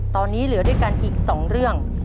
ตอนนี้เหลือด้วยกันอีก๒เรื่อง